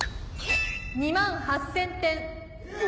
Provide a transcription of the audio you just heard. ２万８０００点。